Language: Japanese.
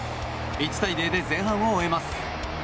１対０で前半を終えます。